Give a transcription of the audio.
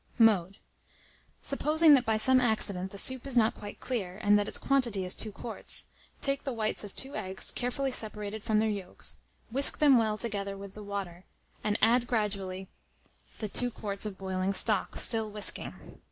Mode. Supposing that by some accident the soup is not quite clear, and that its quantity is 2 quarts, take the whites of 2 eggs, carefully separated from their yolks, whisk them well together with the water, and add gradually the 2 quarts of boiling stock, still whisking.